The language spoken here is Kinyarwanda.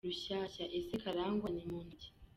Rushyashya :Ese Karangwa ni umunti ki ?